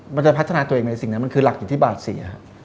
มันจะพัฒนาตัวเองในสิ่งนั้นมันคือหลักอยู่ที่บาดเสีย